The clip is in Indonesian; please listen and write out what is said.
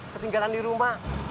ketinggalan di rumah